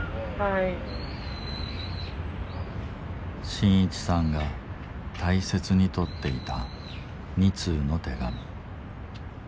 伸一さんが大切にとっていた２通の手紙。